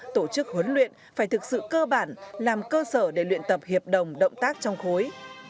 tổ chức huấn luyện phải thực sự cơ bản làm cơ sở để luyện tập hiệp đồng động tác trong khối